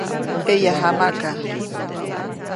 ʼEyajamaʼka.